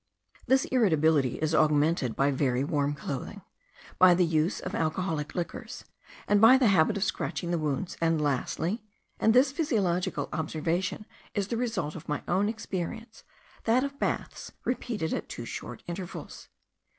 This irritability is augmented by very warm clothing, by the use of alcoholic liquors, by the habit of scratching the wounds, and lastly, (and this physiological observation is the result of my own experience,) that of baths repeated at too short intervals.